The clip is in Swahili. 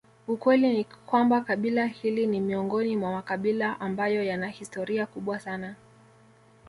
ukweli ni kwamba kabila hili ni miongoni mwa makabila ambayo yana historia kubwa sana